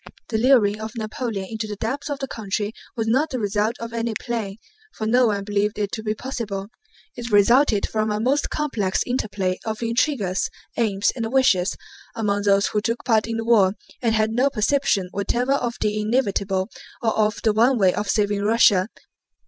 The luring of Napoleon into the depths of the country was not the result of any plan, for no one believed it to be possible; it resulted from a most complex interplay of intrigues, aims, and wishes among those who took part in the war and had no perception whatever of the inevitable, or of the one way of saving Russia.